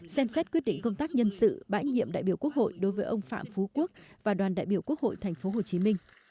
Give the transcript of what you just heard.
xem xét quyết định công tác nhân sự bãi nhiệm đại biểu quốc hội đối với ông phạm phú quốc và đoàn đại biểu quốc hội tp hcm